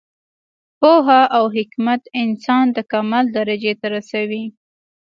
پوهه او حکمت انسان د کمال درجې ته رسوي.